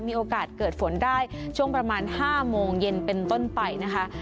มีโอกาสเกิดฝนได้ช่วงประมาณ๕โมงเย็นเป็นต้นไปนะคะ